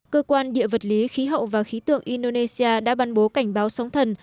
cơ quan địa vật lý khí hậu và khí tượng indonesia đã ban bố cảnh báo sóng thần